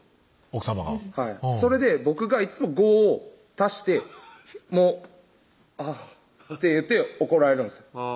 奥さまがはいそれで僕がいつも５を足して「あぁ」って言って怒られるんですよ